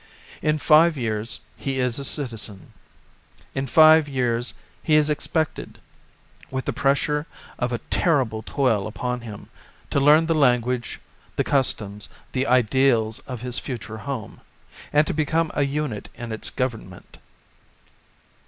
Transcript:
In five years he is a citizen ; in five years he is expected, with the pressure of a ter rible toil upon him, to learn the lan guage, the customs, the ideals of his fu ture home, and to become a unit in its government.